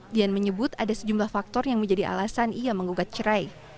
dian menyebut ada sejumlah faktor yang menjadi alasan ia menggugat cerai